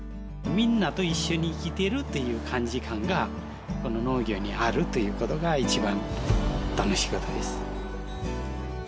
みんなと一緒に生きているっていう感じがこの農業にあるということがいちばん楽しいことです。